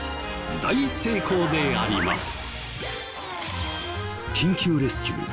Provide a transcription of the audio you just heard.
大成功であります！